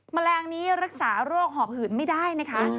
แมลงนี้รักษาโรคหอบหืนไม่ได้นะคะ